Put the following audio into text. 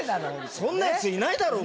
そんなやついないだろ。